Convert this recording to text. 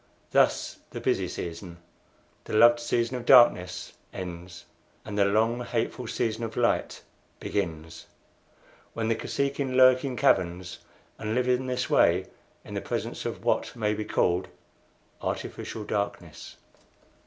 Thus the busy season the loved season of darkness ends, and the long, hateful season of light begins, when the Kosekin lurk in caverns, and live in this way in the presence of what may be called artificial darkness.